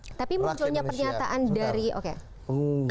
tapi munculnya pernyataan dari